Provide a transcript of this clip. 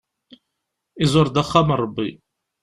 Iẓur-d axxam n Ṛebbi.